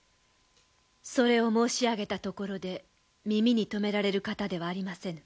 それを申し上げたところで耳に留められる方ではありませぬ。